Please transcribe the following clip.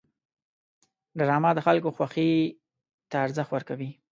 ډرامه د خلکو خوښې ته ارزښت ورکوي